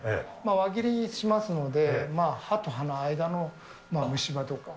輪切りにしますので、歯と歯の間の虫歯とか。